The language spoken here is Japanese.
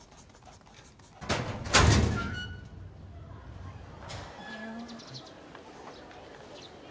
おはよう。